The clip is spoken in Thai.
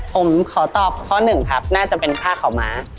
ผมขอตอบข้อหนึ่งครับน่าจะเป็นผ้าขาวม้า